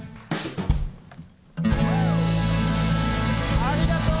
ありがとう！